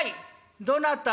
どなた？